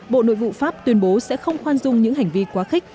bộ nội vụ pháp tuyên bố sẽ không khoan dung những hành vi quá khích